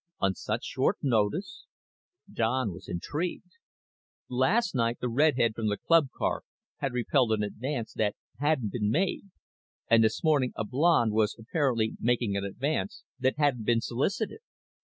"On such short notice?" Don was intrigued. Last night the redhead from the club car had repelled an advance that hadn't been made, and this morning a blonde was apparently making an advance that hadn't been solicited.